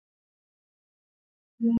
سنگ مرمر د افغانستان د بڼوالۍ برخه ده.